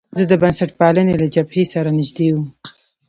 زه د بنسټپالنې له جبهې سره نژدې وم.